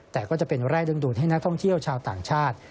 แต่ก็จะเป็นแรงดึงดูดให้นักท่องเที่ยวชาวต่างชาติ